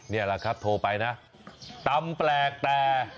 นี่แหละครับโทรไปนะตำแปลกแต่